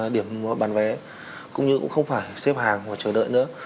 điểm bàn vé cũng như không phải xếp hàng và chờ đợi nữa